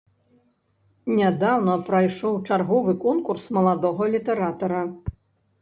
Нядаўна прайшоў чарговы конкурс маладога літаратара.